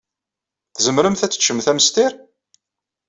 Tzemremt ad teččemt amestir?